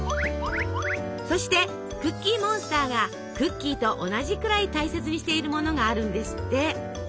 そしてクッキーモンスターがクッキーと同じくらい大切にしているものがあるんですって！